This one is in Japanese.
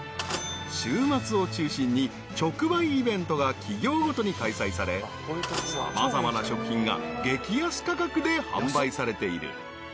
［週末を中心に直売イベントが企業ごとに開催され様々な食品が激安価格で販売されている］